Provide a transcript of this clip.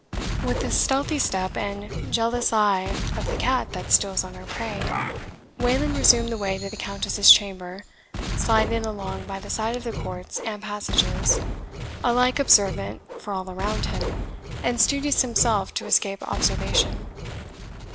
With the stealthy step and jealous eye of the cat that steals on her prey, Wayland resumed the way to the Countess's chamber, sliding along by the side of the courts and passages, alike observant of all around him, and studious himself to escape observation.